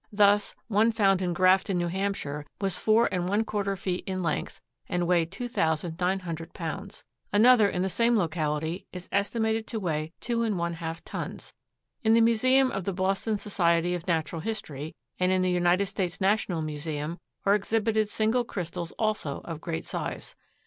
Thus, one found in Grafton, New Hampshire, was four and one quarter feet in length and weighed two thousand nine hundred pounds. Another in the same locality is estimated to weigh two and one half tons. In the museum of the Boston Society of Natural History and in the United States National Museum are exhibited single crystals also of great size.